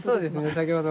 先ほど。